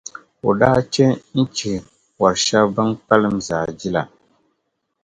o daa chɛ n-chihi wɔr’ shɛba bɛn kpalim zaa jila.